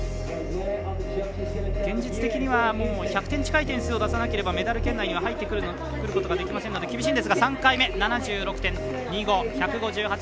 現実的には、１００点近い点数を出さなければメダル圏内には入ってくることができませんので、厳しいんですが３回目７６．２５。